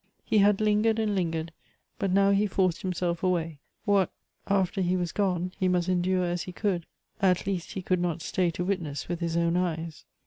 He had lingered .and lingered, but now he forced himself aw.iy ; what, .ifter he was gone, he must endure as he could, .at le.ist he could not stay to witness with his own eyes.